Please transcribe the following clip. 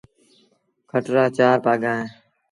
کٽ رآ چآر پآڳآ اهيݩ۔